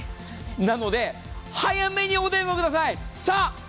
なので早めにお電話ください。